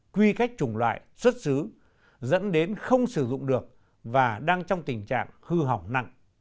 quy cách chủng loại xuất xứ dẫn đến không sử dụng được và đang trong tình trạng hư hỏng nặng